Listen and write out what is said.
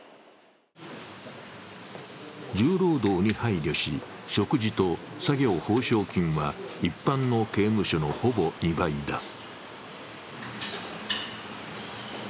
重労働に配慮し、食事と作業報奨金は一般の刑務所のほぼ２倍だ。